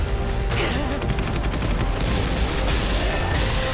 くっ！